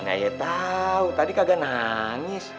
mana aja tau tadi kagak nangis